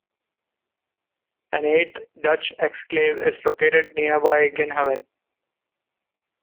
An eighth Dutch exclave is located nearby Ginhoven.